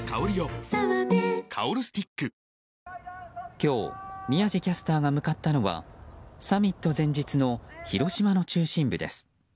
今日宮司キャスターが向かったのはサミット前日の広島の中心部です。